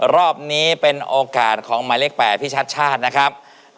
รอบนี้เป็นโอกาสของหมายเลข๘พี่ชัดชาตินะครับ